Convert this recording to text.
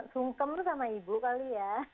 sungkem sama ibu kali ya